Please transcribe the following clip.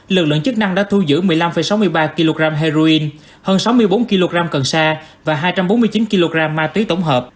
lực lượng chức năng đã thu giữ một mươi năm sáu mươi ba kg heroin hơn sáu mươi bốn kg cần sa và hai trăm bốn mươi chín kg ma túy tổng hợp